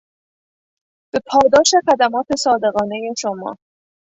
به پاداش خدمات صادقانهی شما...